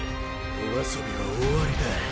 お遊びは終わりだ！！